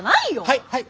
はいはい！